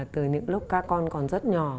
từ những lúc các con còn rất nhỏ